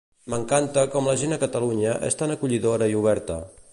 M'encanta com la gent a Catalunya és tan acollidora i oberta.